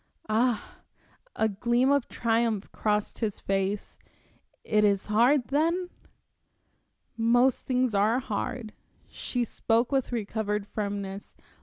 "Ah!" A gleam of triumph crossed his face. "It is hard, then?" "Most things are hard." She spoke with recovered firmness.